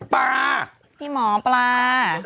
พี่หมอปลา